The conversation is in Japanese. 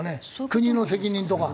国の責任とか。